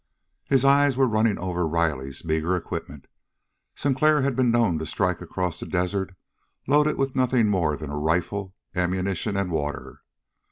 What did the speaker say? His eyes were running over Riley's meager equipment. Sinclair had been known to strike across the desert loaded with nothing more than a rifle, ammunition, and water.